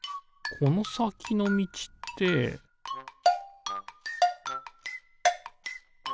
このさきのみちってピッ！